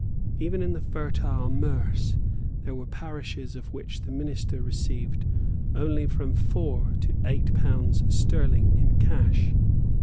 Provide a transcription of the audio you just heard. Even in the fertile Merse there were parishes of which the minister received only from four to eight pounds sterling in cash.